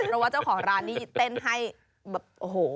เพราะว่าเจ้าของร้านนี่เต้นให้แบบโอ้โห